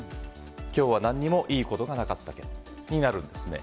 きょうはなんにもいいことなかったけどになるんですね。